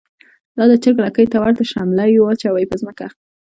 دا د چر ګ لکۍ ته ورته شملی واچوی په ځمکه